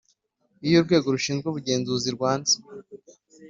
Iyo Urwego rushinzwe ubugenzuzi rwanze